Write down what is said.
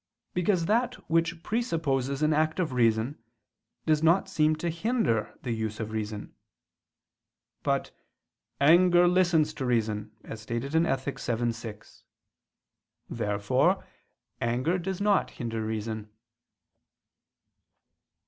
Because that which presupposes an act of reason, does not seem to hinder the use of reason. But "anger listens to reason," as stated in Ethic. vii, 6. Therefore anger does not hinder reason.